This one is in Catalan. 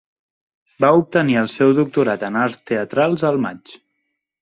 Va obtenir el seu doctorat en arts teatrals al maig.